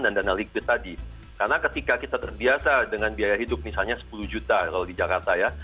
dan dana liquid tadi karena ketika kita terbiasa dengan biaya hidup misalnya sepuluh juta kalau di jakarta ya